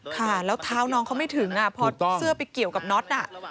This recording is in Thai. ค่ะแล้วเท้าน้องเขาไม่ถึงพอเสื้อไปเกี่ยวกับน็อต